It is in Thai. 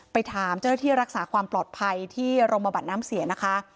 ไปถามเจ้าหน้าที่รักษาความปลอดภัยที่โรงพยาบาลน้ำเสียนะคะ